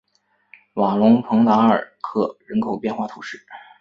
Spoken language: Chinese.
瓦龙蓬达尔克人口变化图示